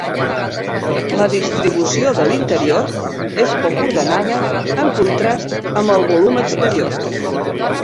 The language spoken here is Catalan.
La distribució de l'interior és poc ordenada en contrast amb el volum exterior.